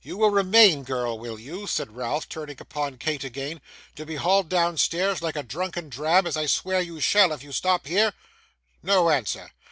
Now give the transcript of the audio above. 'You will remain, girl, will you?' said Ralph, turning upon Kate again, 'to be hauled downstairs like a drunken drab, as I swear you shall if you stop here? No answer!